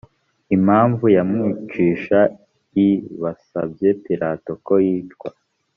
impamvu yamwicisha i basabye pilato ko yicwa